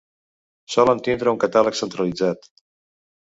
Solen tindre un catàleg centralitzat.